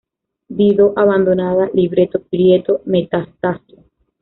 Dido abandonada; libreto: Pietro Metastasio.